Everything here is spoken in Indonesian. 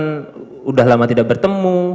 sudah lama tidak bertemu